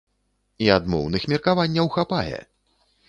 І адмоўных меркаванняў хапае!